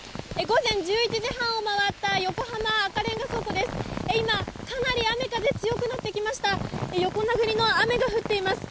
午前１１時半を回った横浜赤レンガ倉庫です。